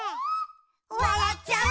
「わらっちゃう」